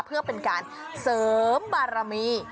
เพื่อเป็นการเสริมบารมี